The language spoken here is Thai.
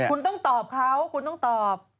คุณต้องตอบเขาคุณต้องตอบ